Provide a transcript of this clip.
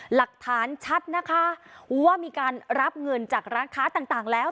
หลักฐานชัดนะคะว่ามีการรับเงินจากร้านค้าต่างแล้ว